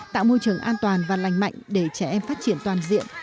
tạo môi trường an toàn và lành mạnh để trẻ em phát triển toàn diện